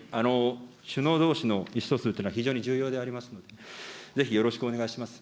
首脳どうしの意思疎通っていうのは、非常に重要でありますので、ぜひよろしくお願いします。